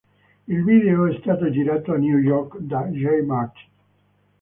Il video è stato girato a New York da Jay Martin.